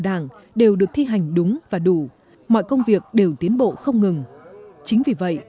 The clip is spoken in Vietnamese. đảng đều được thi hành đúng và đủ mọi công việc đều tiến bộ không ngừng chính vì vậy